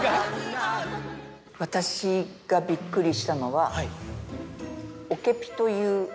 私がびっくりしたのは。